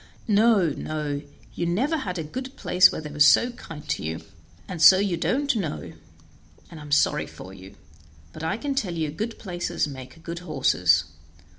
No, no! you never had a good place where they were kind to you, and so you don't know, and I'm sorry for you; but I can tell you good places make good horses.